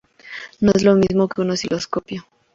No es lo mismo que un osciloscopio.